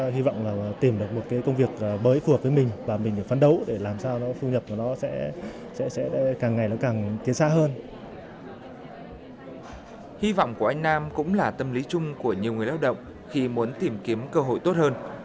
hy vọng của anh nam cũng là tâm lý chung của nhiều người lao động khi muốn tìm kiếm cơ hội tốt hơn